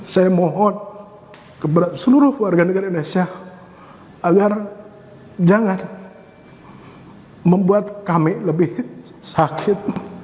saya mohon kepada seluruh warga negara indonesia agar jangan membuat kami lebih sakit